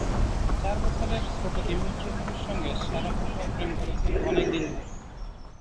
চার বছরের ছোট দিমিত্রভের সঙ্গে শারাপোভা প্রেম করছেন অনেক দিন ধরেই।